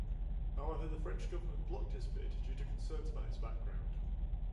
However, the French government blocked his bid due to concerns about his background.